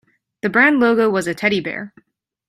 The brand logo was a teddy bear.